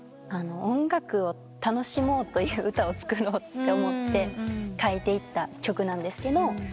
音楽を楽しもうという歌を作ろうと思って書いていった曲なんです。